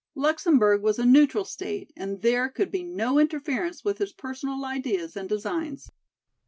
Luxemburg was a neutral state and there could be no interference with his personal ideas and designs.